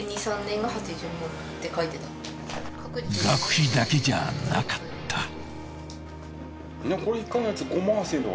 学費だけじゃなかった。